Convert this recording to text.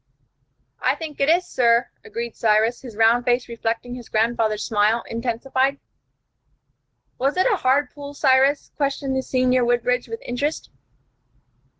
"I think it is, sir," agreed Cyrus, his round face reflecting his grandfather's smile, intensified. "Was it a hard pull, Cyrus?" questioned the senior Woodbridge with interest.